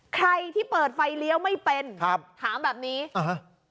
ใครที่เปิดไฟเลี้ยวไม่เป็นครับถามแบบนี้อ่าฮะ